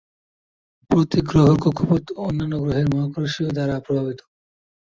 প্রত্যেক গ্রহের কক্ষপথ অন্যান্য গ্রহের মহাকর্ষীয় দ্বারা প্রভাবিত।